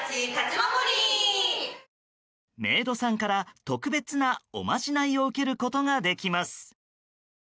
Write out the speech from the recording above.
メイドさんから特別なおまじないを受けることができます。